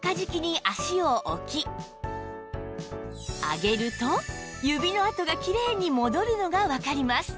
上げると指の跡がきれいに戻るのがわかります